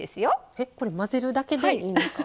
えっこれ混ぜるだけでいいんですか？